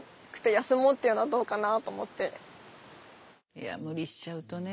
いや無理しちゃうとね。